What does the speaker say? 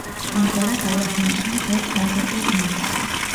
ამგვარად ალაჰი ნიშნავს ერთ კონკრეტულ ღმერთს.